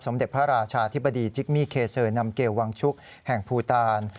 เด็จพระราชาธิบดีจิกมี่เคเซอร์นำเกลวังชุกแห่งภูตาล